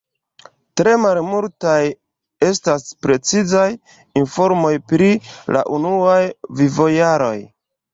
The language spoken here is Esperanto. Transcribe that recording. Tre malmultaj estas precizaj informoj pri la unuaj vivojaroj.